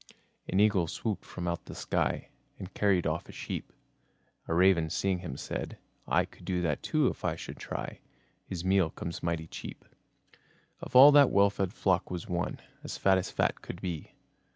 An Eagle swooped from out the sky, And carried off a sheep. A Raven seeing him, said: "I Could do that too if I should try. His meal comes mighty cheap." Of all that well fed flock was one As fat as fat could be.